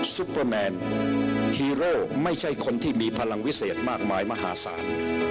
ซุปเปอร์แมนฮีโร่ไม่ใช่คนที่มีพลังวิเศษมากมายมหาศาล